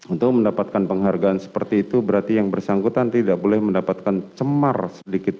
untuk mendapatkan penghargaan seperti itu berarti yang bersangkutan tidak boleh mendapatkan cemar sedikit